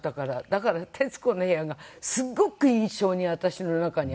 だから『徹子の部屋』がすごく印象に私の中にあるの。